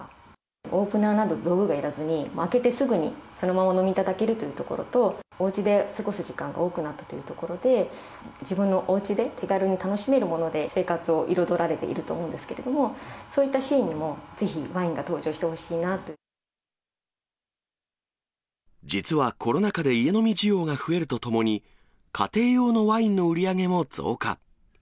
オープナーなどの道具がいらずに、開けてすぐにそのままお飲みいただけるというところと、おうちで過ごす時間が多くなったというところで、自分のおうちで手軽に楽しめるもので生活を彩られていると思うんですけれども、そういったシーンにも、実はコロナ禍で家飲み需要が増えるとともに、家庭用のワインの売り上げも増加。